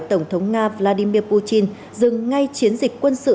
tổng thống nga vladimir putin dừng ngay chiến dịch quân sự